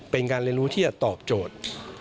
เป็นการเรียนรู้ที่จะตอบโจทย์